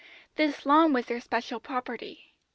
This lawn was their special property.